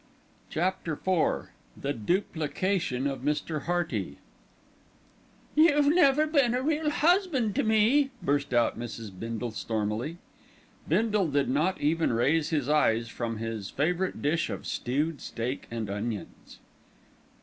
CHAPTER IV THE DUPLICATION OF MR. HEARTY I "You've never been a real husband to me," burst out Mrs. Bindle stormily. Bindle did not even raise his eyes from his favourite dish of stewed steak and onions.